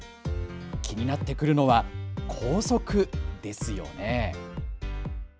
気になってくるのは校則ですよね。